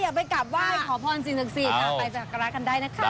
เอ้าขยับไปกลับว่าขอพรสินศึกษิษฐ์นะไปจากรัฐกันได้นะครับ